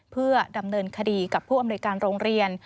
เพื่อดำเนินคดีกับผู้อำนวยการโรงเรียน